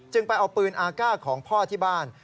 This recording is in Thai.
ไปเอาปืนอาก้าของพ่อที่บ้าน